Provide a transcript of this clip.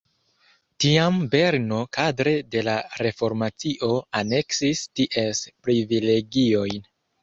Tiam Berno kadre de la reformacio aneksis ties privilegiojn.